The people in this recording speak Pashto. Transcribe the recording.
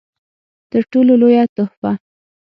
تر ټولو لويه تحفه